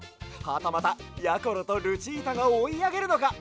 はたまたやころとルチータがおいあげるのか？